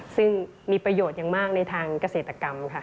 ซึ่งมีประโยชน์อย่างมากในทางเกษตรกรรมค่ะ